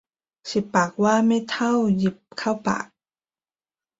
สิบปากว่าไม่เท่าหยิบเข้าปาก